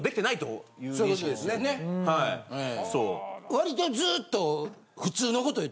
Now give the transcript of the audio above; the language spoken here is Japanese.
わりとずっと。